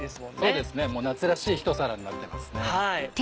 そうですねもう夏らしい一皿になってますね。